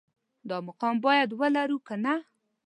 دا مقام باید ولرو که نه